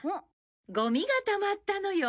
ゴミがたまったのよ。